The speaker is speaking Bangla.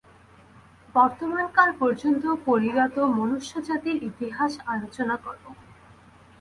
বর্তমানকাল পর্যন্ত পরিজ্ঞাত মনুষ্যজাতির ইতিহাস আলোচনা কর।